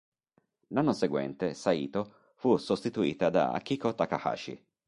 L'anno seguente, Saito fu sostituita da Akiko Takahashi.